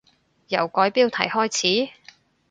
由改標題開始？